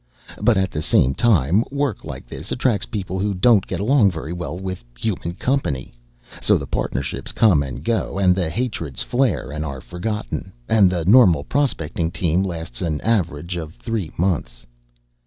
But, at the same time, work like this attracts people who don't get along very well with human company. So the partnerships come and go, and the hatreds flare and are forgotten, and the normal prospecting team lasts an average of three months.